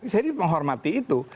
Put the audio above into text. saya dihormati itu